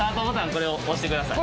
これを押してください。